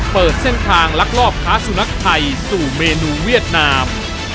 เปิดเส้นทางลักลอบค้าสุนัขไทยสู่เมนูเวียดนาม